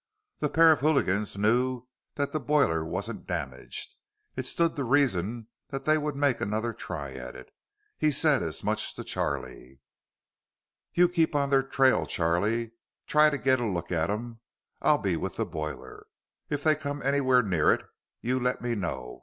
This pair of hooligans knew that the boiler wasn't damaged. It stood to reason that they would make another try at it. He said as much to Charlie. "You keep on their trail, Charlie. Try to get a look at 'em. I'll be with the boiler. If they come anywhere near it, you let me know.